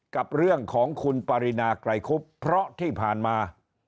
กับเรื่องของคุณปรินาไกรคุบเพราะที่ผ่านมา